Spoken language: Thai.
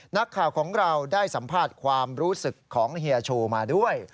นักข่าวของเราได้สัมภาษณ์ความรู้สึกของเฮียชูมาด้วย